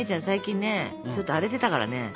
最近ねちょっと荒れてたからね。